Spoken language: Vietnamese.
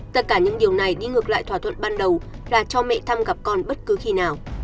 tất cả những điều này đi ngược lại thỏa thuận ban đầu là cho mẹ thăm gặp con bất cứ khi nào